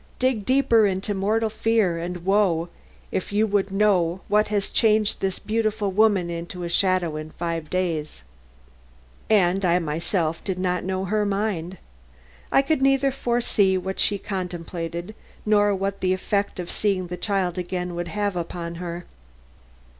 Dig deeper into mortal fear and woe if you would know what has changed this beautiful woman into a shadow in five days." And I myself did not know her mind. I could neither foresee what she contemplated nor what the effect of seeing the child again would have upon her.